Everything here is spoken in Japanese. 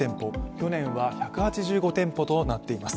去年は１８５店舗となっています。